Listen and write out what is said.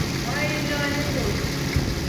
Hay lanet olsun!